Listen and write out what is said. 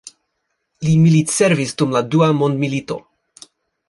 Li militservis dum la Dua Mondmilito.